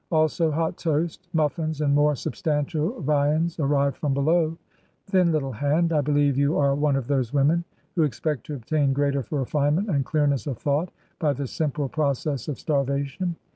Also hot toast. Muffins and more substantial viands arrive from below. Thin little hand ! I believe you are one of those women who expect to obtain greater refinement and clearness of thought by the simple pro cess of starvation.